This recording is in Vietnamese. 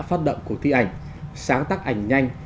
phát động cuộc thi ảnh sáng tác ảnh nhanh